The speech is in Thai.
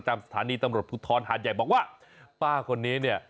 จากสถานีทำรวจพูดธรรมหูหน่อยบอกว่าป้าคนนี้เนี่ย